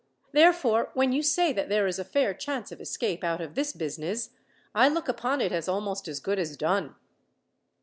Therefore, when you say that there is a fair chance of escape out of this business, I look upon it as almost as good as done."